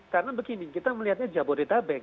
karena begini kita melihatnya jabodetabek